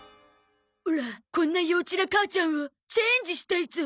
オラこんな幼稚な母ちゃんをチェンジしたいゾ。